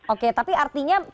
oke tapi artinya